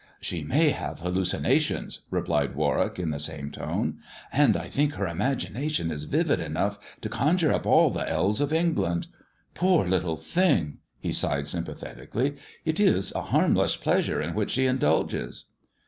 " She may have hallucinations," replied Warwick in the same tone ;" and I think her imagination is vivid enough to conjure up all the elves of England. Poor little thing," he sighed sympathetically, "it is a harmless pleasure in which she indulges."